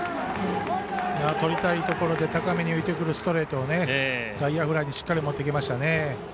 とりたいところで高めに浮いてくるストレートを外野フライにしっかり持っていきましたね。